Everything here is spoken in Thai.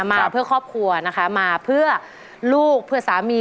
มาเพื่อครอบครัวนะคะมาเพื่อลูกเพื่อสามี